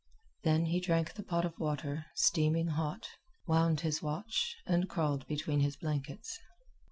Then he drank the pot of water, steaming hot, wound his watch, and crawled between his blankets.